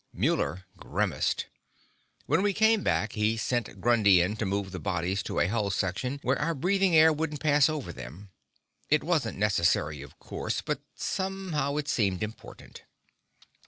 Muller grimaced. When we came back, he sent Grundy in to move the bodies to a hull section where our breathing air wouldn't pass over them. It wasn't necessary, of course. But somehow, it seemed important.